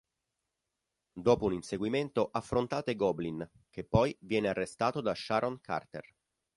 Dopo un inseguimento affrontate Goblin, che poi viene arrestato da Sharon Carter.